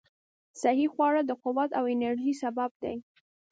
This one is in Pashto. صحي خواړه د قوت او انرژۍ سبب دي.